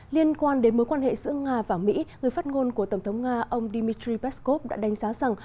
liên quan đến mối quan hệ giữa nga và mỹ người phát ngôn của tổng thống nga ông dmitry peskov đã đánh giá rằng